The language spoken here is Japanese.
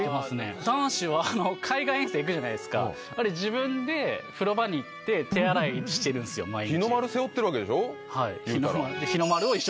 男子は海外遠征行くじゃないですか、自分で風呂場にいって手洗いしているんですよ、毎日。